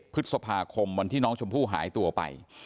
พฤษภาคมวันที่น้องชมพู่หายตัวไป